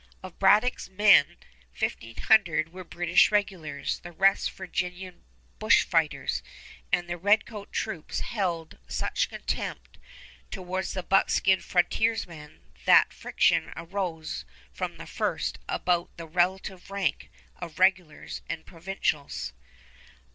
Of Braddock's men, fifteen hundred were British regulars, the rest Virginian bushfighters; and the redcoat troops held such contempt towards the buckskin frontiersmen that friction arose from the first about the relative rank of regulars and provincials.